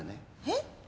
えっ！？